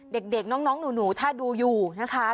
เด็กน้องหนูถ้าดูอยู่นะคะ